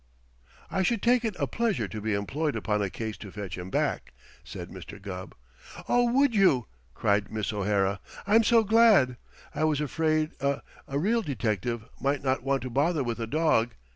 "I should take it a pleasure to be employed upon a case to fetch him back," said Mr. Gubb. "Oh, would you?" cried Miss O'Hara. "I'm so glad! I was afraid a a real detective might not want to bother with a dog.